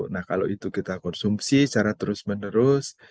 nah kalau itu kita konsumsi secara terus menerus